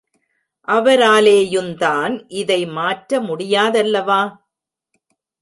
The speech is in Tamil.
அவராலேயுந்தான் இதை மாற்ற முடியாதல்லவா?